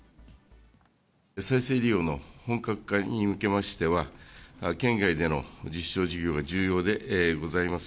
再生利用の本格化に向けましては、県外での実証事業が重要でございます。